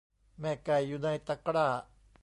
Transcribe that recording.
แม่ไก่อยู่ในตะกร้า